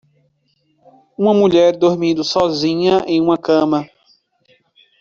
Uma mulher dormindo sozinha em uma cama.